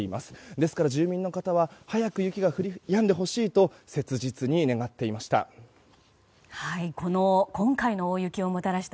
ですから、住民の方は早く雪が降りやんでほしいと切実に願っていました。